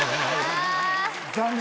残念！